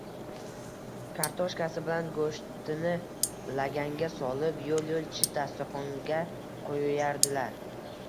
kartoshkasi bilan goʼshtini laganga solib, yoʼl-yoʼl chit dasturxonga qoʼyardilar.